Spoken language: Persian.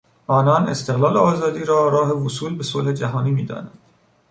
آنان استقلال و آزادی را راه وصول به صلح جهانی میدانند.